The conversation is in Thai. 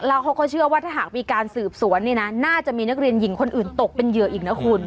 แล้วเขาก็เชื่อว่าถ้าหากมีการสืบสวนเนี่ยนะน่าจะมีนักเรียนหญิงคนอื่นตกเป็นเหยื่ออีกนะคุณ